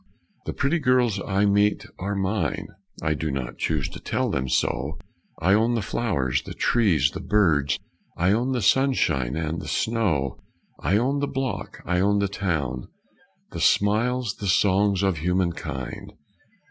The pretty girls I meet are mine (I do not choose to tell them so); I own the flowers, the trees, the birds; I own the sunshine and the snow; I own the block, I own the town The smiles, the songs of humankind.